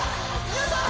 皆さん